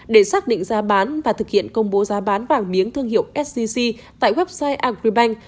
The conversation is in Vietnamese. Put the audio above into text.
để xác định giá bán và thực hiện công bố giá bán vàng miếng thương hiệu sc tại website agribank